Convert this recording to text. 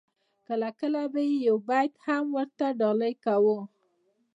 کله کله به یې یو بیت هم ورته ډالۍ کاوه.